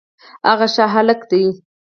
هغه ښه هلک دی